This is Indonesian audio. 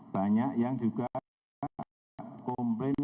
banyak yang juga komplain